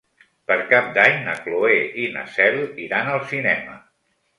Per Cap d'Any na Cloè i na Cel iran al cinema.